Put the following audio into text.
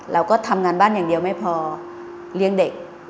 เราก็ทำงานบ้านอย่างเดียวไม่พอเลี้ยงเด็ก